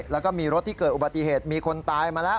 แล้วก็มีรถที่เกิดอุบัติเหตุมีคนตายมาแล้ว